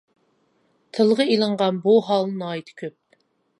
تىلغا ئېلىنغان بۇ ھال ناھايىتى كۆپ.